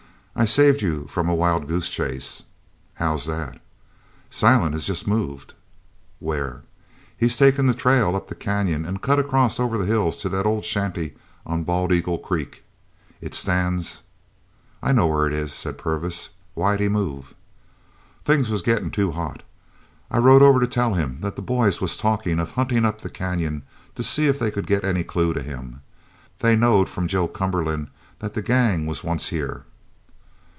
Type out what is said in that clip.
"I've saved you from a wild goose chase." "How's that?" "Silent has jest moved." "Where?" "He's taken the trail up the canyon an' cut across over the hills to that old shanty on Bald eagle Creek. It stands " "I know where it is," said Purvis. "Why'd he move?" "Things was gettin' too hot. I rode over to tell him that the boys was talkin' of huntin' up the canyon to see if they could get any clue of him. They knowed from Joe Cumberland that the gang was once here."